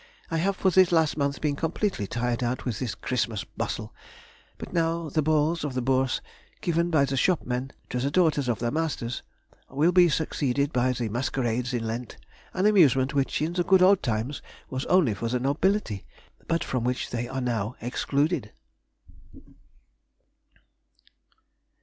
I have for this last month been completely tired out with this Christmas bustle; but now the balls at the Bourse, given by the shopmen to the daughters of their masters, will be succeeded by the masquerades in Lent, an amusement which in the good old times was only for the nobility, but from which they are now excluded....